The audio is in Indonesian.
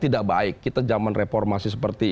tidak baik kita zaman reformasi seperti